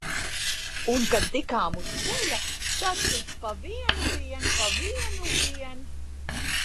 Un kad tikām uz ceļa, tad tik pa vienu vien, pa vienu vien!